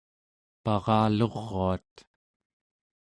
paraluruat